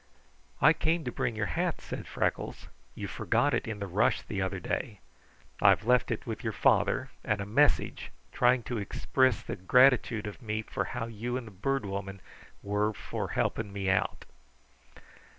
"I came to bring your hat," said Freckles. "You forgot it in the rush the other day. I have left it with your father, and a message trying to ixpriss the gratitude of me for how you and the Bird Woman were for helping me out."